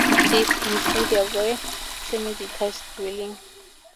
These include a rare "semi-detached" dwelling.